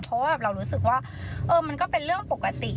เพราะว่าเรารู้สึกว่ามันก็เป็นเรื่องปกติ